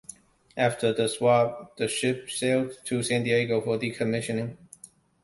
After the swap, the ship sailed to San Diego for decommissioning.